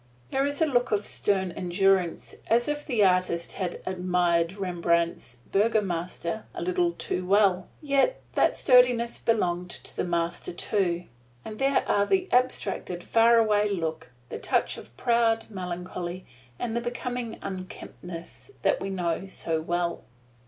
There is a look of stern endurance, as if the artist had admired Rembrandt's "Burgomaster" a little too well, yet that sturdiness belonged to the Master, too; and there are the abstracted far away look, the touch of proud melancholy, and the becoming unkemptness that we know so well.